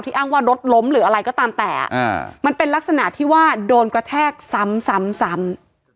อ้างว่ารถล้มหรืออะไรก็ตามแต่มันเป็นลักษณะที่ว่าโดนกระแทกซ้ำซ้ำ